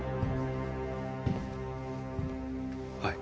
はい。